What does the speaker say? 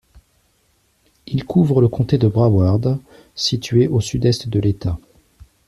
Ils couvrent le comté de Broward situé au sud-est de l'État.